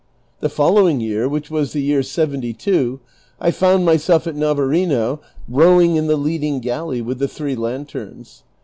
The following year, which was the year seventy two, I found myself at Navarino rowing in the leading gaHey with the three lanterns.'